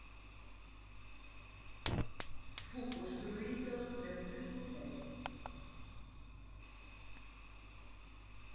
Fu costruito nel I sec.